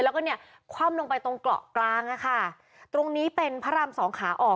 แล้วก็เนี่ยคว่ำลงไปตรงเกาะกลางอ่ะค่ะตรงนี้เป็นพระรามสองขาออก